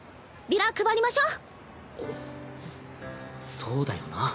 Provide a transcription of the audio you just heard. そうだよな。